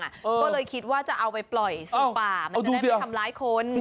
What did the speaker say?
ก็เลยคิดว่าจะเอาไปปล่อยสู่ป่ามันจะได้ไม่ทำร้ายคน